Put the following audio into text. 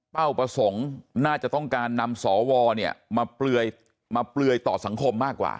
ประสงค์น่าจะต้องการนำสวมาเปลือยต่อสังคมมากกว่า